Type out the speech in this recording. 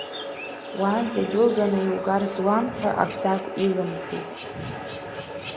Уаанӡа идәылганы иугар зуам, ҳәа Абзагә илымҭеит.